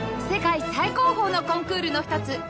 世界最高峰のコンクールの一つ